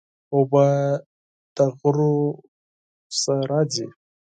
اوبه له غرونو نه راځي.